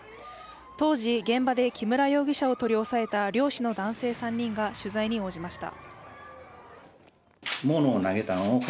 当時現場で木村容疑者を取り押さえた漁師の３人が取材に応じました。